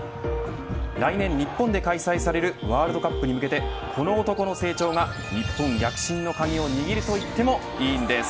来年日本で開催されるワールドカップに向けてこの男の成長が日本躍進の鍵を握るといってもいいんです。